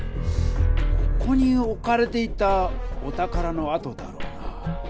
ここにおかれていたお宝のあとだろうな。